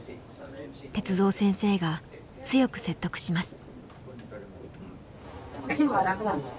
鉄三先生が強く説得します。